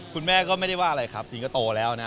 คุณแม่ก็ไม่ได้ว่าอะไรครับจริงก็โตแล้วนะ